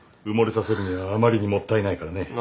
埋もれさせるにはあまりにもったいないからね。